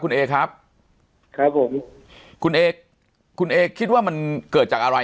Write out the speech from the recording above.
คุณเอ็กซ์ครับครับผมคุณเอ็กซ์คุณเอ็กซ์คิดว่ามันเกิดจากอะไร